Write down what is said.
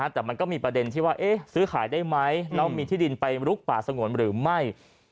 แต่มันก็มีประเด็นที่ว่าซื้อขายได้ไหมแล้วมีที่ดินไปลุกป่าสงวนหรือไม่